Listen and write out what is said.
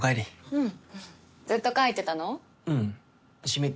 うん。